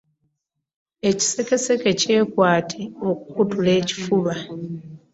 Ekisekeseke kyekwate okukutula ekfuba.